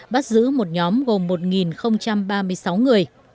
bắt giữ một nhóm gồm một ba mươi sáu người